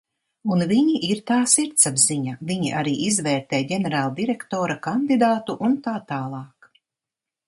Un viņi ir tā sirdsapziņa, viņi arī izvērtē ģenerāldirektora kandidātu un tā tālāk.